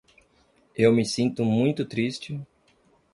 Eu me sinto muito triste